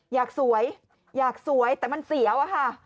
อยากสวยอยากสวยแต่มันเสียวอะค่ะ